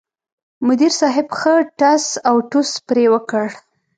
مدیر صاحب ښه ټس اوټوس پرې وکړ.